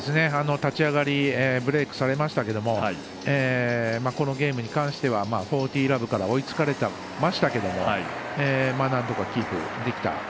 立ち上がりブレークされましたけどもこのゲームに関しては４０−０から追いつかれましたけどなんとかキープできた。